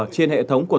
trên hệ thống quốc gia